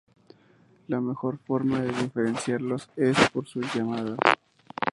La mejor forma para diferenciarlos es por sus llamadas.